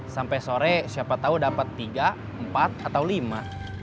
sampai sore siapa tahu dapat tiga empat atau lima